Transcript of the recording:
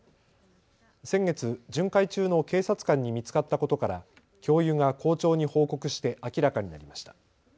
先月、巡回中の警察官に見つかったことから教諭が校長に報告して明らかになりました。